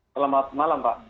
selamat malam pak